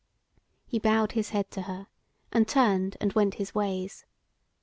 He bowed his head to her, and turned and went his ways.